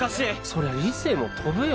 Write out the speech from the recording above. そりゃ理性も飛ぶよ